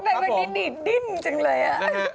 มากนี่ดินจังเลย